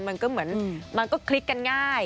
มันก็เหมือนมันก็คลิกกันง่าย